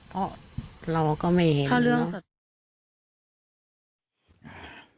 เพราะเราก็ไม่เห็นเนาะ